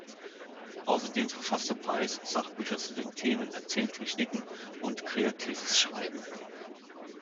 Außerdem verfasste Páez Sachbücher zu den Themen Erzähltechniken und Kreatives Schreiben.